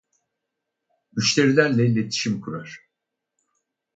Müşterilerle iletişim kurar.